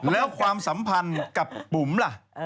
แล้วความสัมพันธ์กับปุ๋มล่ะ